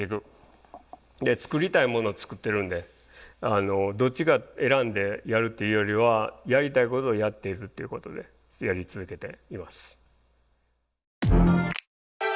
作りたいものを作ってるんでどっちか選んでやるっていうよりはやりたいことをやっているっていうことでずっとやり続けています。